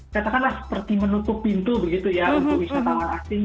katakanlah seperti menutup pintu begitu ya untuk wisatawan asing